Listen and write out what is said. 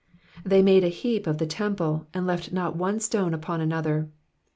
'*'' They made a heap of the temple, and left not one stone upon another.